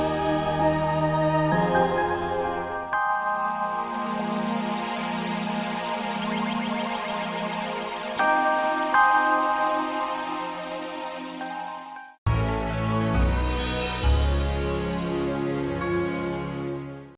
terima kasih pak